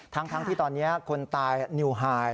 ทั้งที่ตอนนี้คนตายนิวไฮ